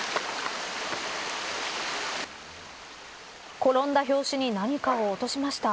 転んだ拍子に何かを落としました。